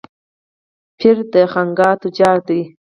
پير د خانقاه تجار دی.